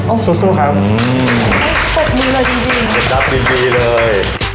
โอ้โซ่โซ่ครับอืมเอ๊ะกดมือเลยดีดีเรียบรับดีดีเลย